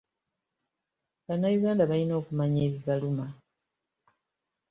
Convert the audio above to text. Bannayuganda balina okumanya ebibaluma